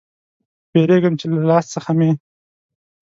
بیریږم چې له لاس څخه مې